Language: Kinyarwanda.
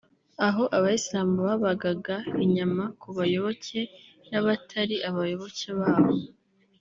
aho abayisilamu babagaga inyama ku bayoboke n’abatari abayoboke babo